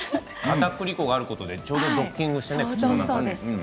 かたくり粉があることでちょうどドッキングしてね。